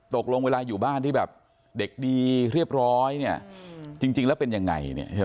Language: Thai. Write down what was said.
ตกลงเวลาอยู่บ้านที่แบบเด็กดีเรียบร้อยจริงแล้วเป็นยังไง